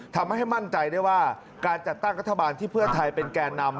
ทำให้มั่นใจได้ว่าการจัดตั้งรัฐบาลที่เพื่อไทยเป็นแก่นำ